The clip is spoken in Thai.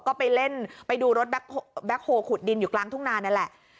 ก็ไปเล่นไปดูรถแบ็คโฮลขุดดินอยู่กลางทุ่งนานนั่นแหละ